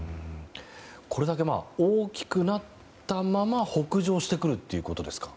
これだけ大きくなったまま北上してくるってことですか。